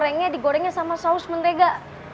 ini adanya di gorengnya sama saus mentega